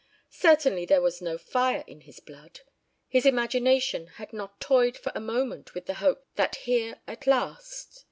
Certainly there was no fire in his blood. His imagination had not toyed for a moment with the hope that here at last